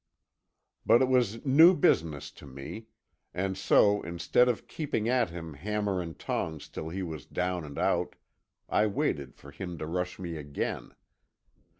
But it was new business to me, and so instead of keeping at him hammer and tongs till he was down and out, I waited for him to rush me again.